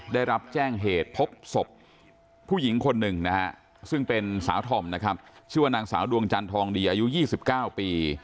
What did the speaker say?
ได้รับแจ้งเหตุพบศพผู้หญิงคนหนึ่งนะฮะซึ่งเป็นสาวธอมนะครับชื่อว่านางสาวดวงจันทองดีอายุ๒๙ปี